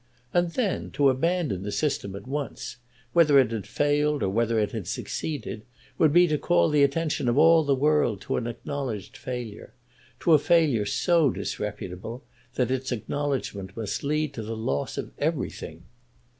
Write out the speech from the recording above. And then to abandon the system at once, whether it had failed or whether it had succeeded, would be to call the attention of all the world to an acknowledged failure, to a failure so disreputable that its acknowledgment must lead to the loss of everything!